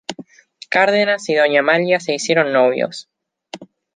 Cárdenas y doña Amalia se hicieron novios.